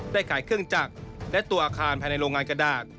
ขายเครื่องจักรและตัวอาคารภายในโรงงานกระดาษ